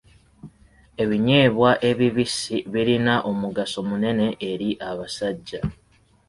Ebinyeebwa ebibisi birina omugaso munene eri abasajja.